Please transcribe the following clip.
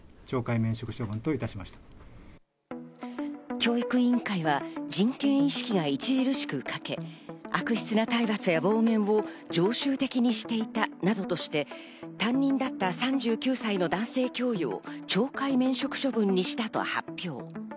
教育委員会は人権意識が著しく欠け、悪質な体罰や暴言を常習的にしていたなどとして、担任だった３９歳の男性教諭を懲戒免職処分にしたと発表。